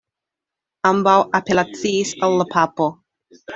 Ambaŭ apelaciis al la papo.